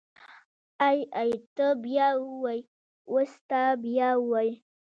ای ای ته بيا ووی اوس ته بيا ووی.